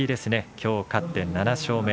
きょう勝って７勝目。